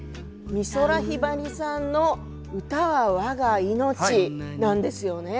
美空ひばりさんの「歌は我が命」なんですよね。